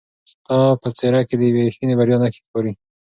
ستا په څېره کې د یوې رښتینې بریا نښې ښکاري.